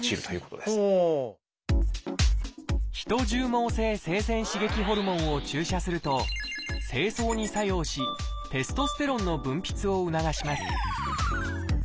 絨毛性性腺刺激ホルモンを注射すると精巣に作用しテストステロン分泌を促します。